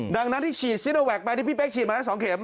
ดังนั้นที่เชียดซิโนแวคแปลว่าที่พี่เป๊กเชียดมาแล้ว๒เข็ม